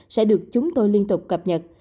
sẽ được chúng tôi liên tục cập nhật